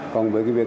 còn với cái việc